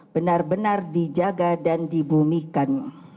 benar benar dijaga dan dibumikan